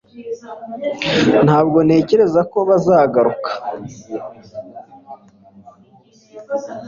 ntabwo ntekereza ko bazagaruka